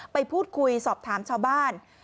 ไปพูดคุยสอบถามชาวบ้าน